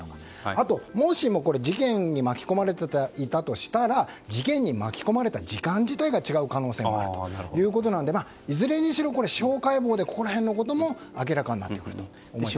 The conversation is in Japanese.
あとは、もしも事件に巻き込まれていたとしたら事件に巻き込まれた時間自体が違う可能性があるということなのでいずれにしろ司法解剖でここら辺のことも明らかになってくると思います。